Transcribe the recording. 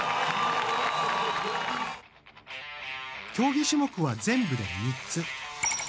競技種目は全部で３つ。